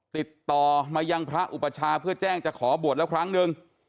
ติดต่อมายังพระอุปชาเพื่อแจ้งจะขอบวชแล้วครั้งหนึ่ง